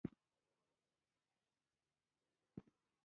افغانستان د مورغاب سیند له پلوه ځانته ځانګړتیا لري.